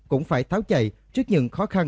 cũng phải tháo chạy trước những khó khăn